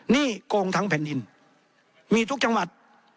โกงทั้งแผ่นดินมีทุกจังหวัด